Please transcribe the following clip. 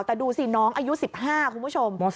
แต่ดูสิน้องอายุ๑๕คุณผู้ชม